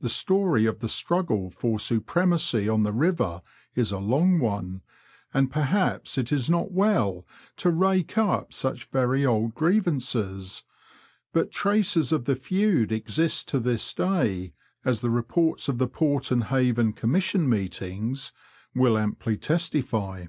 The story of the struggle for supremacy on the river is a long one, and perhaps it is not well to rake up such very old grievances, but traces of the feud exist to this day, as the reports of the Port and Haven Commission meetings will amply testify.